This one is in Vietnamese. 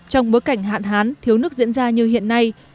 trong bối cảnh hạn hán thiếu nước diễn ra như hiện nay